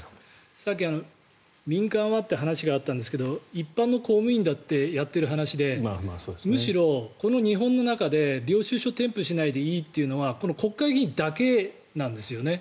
さっき民間はって話があったんですけど一般の公務員だってやってる話でむしろこの日本の中で領収書を添付しなくていいというのはこの国会議員だけなんですよね。